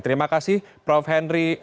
terima kasih prof henry atas kehadirannya di ru